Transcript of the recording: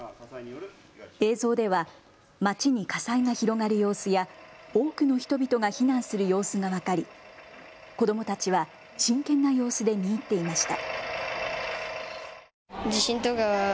映像では街に火災が広がる様子や多くの人々が避難する様子が分かり子どもたちは真剣な様子で見入っていました。